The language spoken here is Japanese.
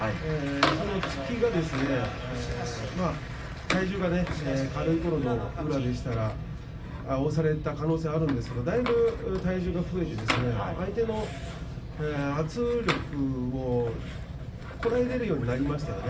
その突きが体重が軽いころの宇良でしたら押された可能性があるんですけどだいぶ体重が増えて相手の圧力をこらえられるようになりましたよね。